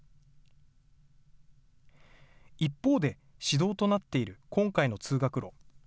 一方で、市道となっている今回の通学路。